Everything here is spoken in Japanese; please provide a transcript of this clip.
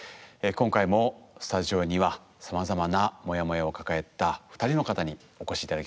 今回もスタジオにはさまざまなモヤモヤを抱えた２人の方にお越し頂きました。